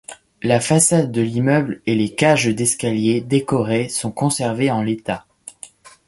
La façade de l’immeuble et les cages d'escalier décorées sont conservées en l'état.